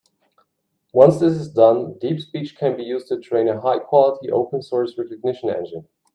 Once this is done, DeepSpeech can be used to train a high-quality open source recognition engine.